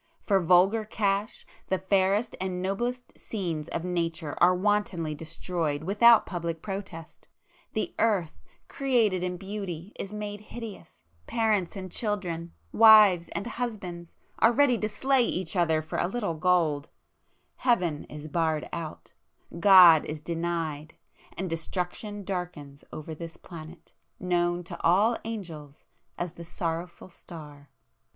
For vulgar cash, the fairest and noblest scenes of Nature are wantonly destroyed without public protest,5—the earth, created in beauty, is made hideous,—parents and children, wives and husbands are ready to slay each other for a little gold,—Heaven is barred out,—God is denied,—and Destruction darkens over this planet, known to all angels as the Sorrowful Star!